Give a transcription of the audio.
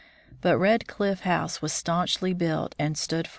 But Red Cliff House was stanchly built and stood firm.